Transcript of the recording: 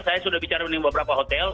saya sudah bicara dengan beberapa hotel